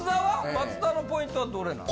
松田のポイントはどれなん？